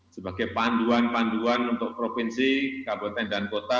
sebagai panduan panduan untuk provinsi kabupaten dan kota